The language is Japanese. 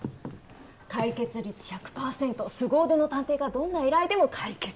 「解決率１００％凄腕の探偵がどんな依頼でも解決！」。